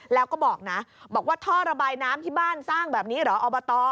แล้วก็บอกนะบอกว่าท่อระบายน้ำที่บ้านสร้างแบบนี้เหรออบต